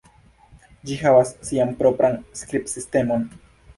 Ĝi havas sian propran skribsistemon.